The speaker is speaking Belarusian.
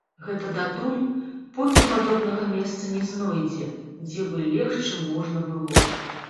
Гэта датуль, покі падобнага месца не знойдзе, дзе бы легчы можна было.